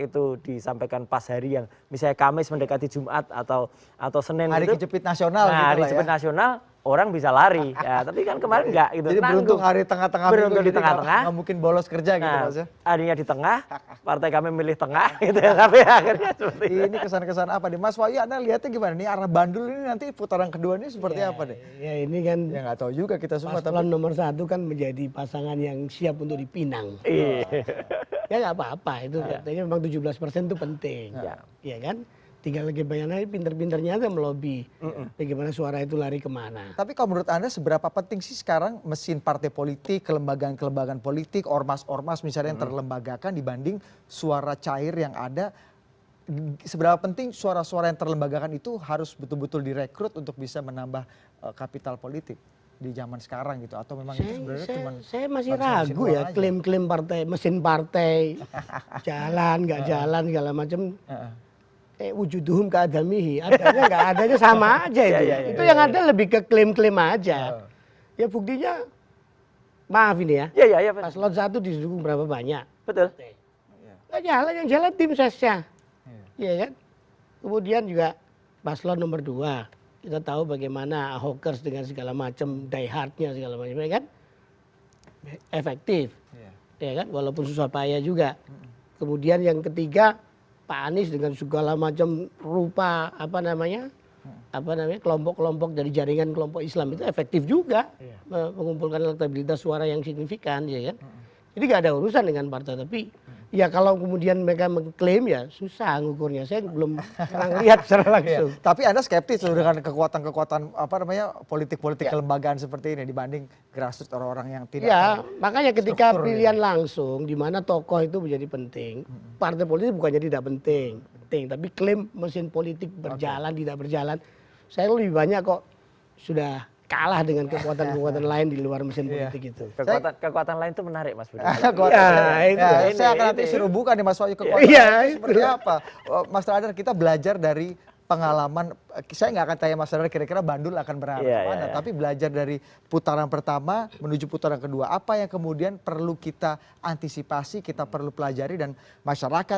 tapi dijawabnya lebih asik di segmen berikut ya kami akan segera kembali ke sana